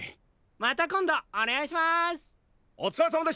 また今度お願いします。